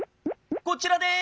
こちらです。